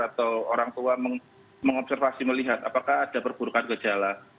atau orang tua mengobservasi melihat apakah ada perburukan gejala